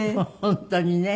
本当にね。